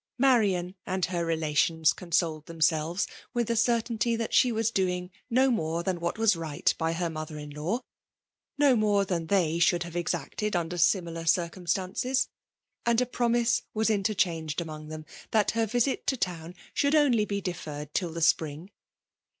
Marian and her relations consoled themselves with the certainty that she was doing no more than what was right by her mother in» law, ^no more than they should have exacted under similar circumstances; and a promise was interchanged among them that her visit to town should only be deferred till the spring.